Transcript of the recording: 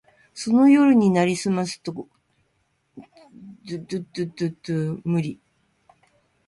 その夜になりますと、黄金塔の部屋に夜具を運ばせて、宵よいのうちから床にはいり、すきなたばこをふかしながら、まじまじと宝物の見はり番をつとめるのでした。